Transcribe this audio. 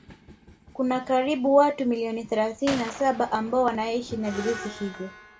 Kuna karibu watu milioni thalathini na saba ambao wanaishi na virusi hivyo